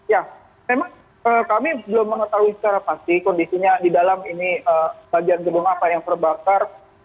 ya memang kami belum mengetahui secara pasti kondisinya di dalam ini bagian gedung apa yang terbakar